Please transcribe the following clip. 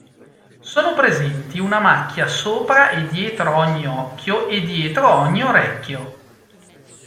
Sono presenti una macchia sopra e dietro ogni occhio e dietro ogni orecchio.